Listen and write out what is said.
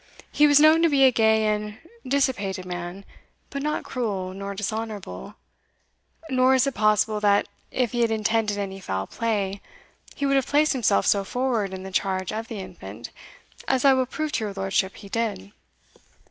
He was known to be a gay and dissipated man, but not cruel nor dishonourable; nor is it possible, that, if he had intended any foul play, he would have placed himself so forward in the charge of the infant, as I will prove to your lordship he did."